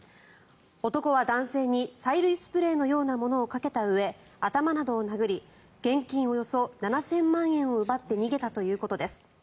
男は男性に催涙スプレーのようなものをかけたうえ頭などを殴り現金およそ７０００万円を奪って逃げたということです。